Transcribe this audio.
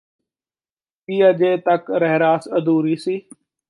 ਕੀ ਅਜੇ ਤਕ ਰਹਿਰਾਸ ਅਧੂਰੀ ਸੀ